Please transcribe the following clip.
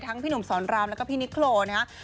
ทั้งพี่หนุ่มสอนรามแล้วก็พี่นิโครนะฮะ